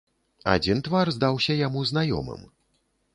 Адзін твар здаўся яму знаёмым.